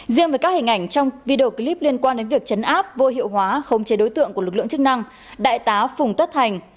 riêng với các hình ảnh trong video clip liên quan đến việc chấn áp vô hiệu hóa khống chế đối tượng của lực lượng chức năng đại tá phùng tất thành